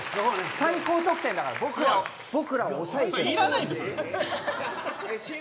最高得点だから僕らを抑えて。